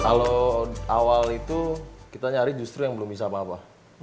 kalau awal itu kita nyari justru yang belum bisa apa apa